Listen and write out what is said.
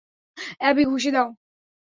Abby, ঘুষি দাও।